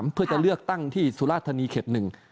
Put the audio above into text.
เพื่อจะเลือกตั้งที่สุรธนีย์เขต๑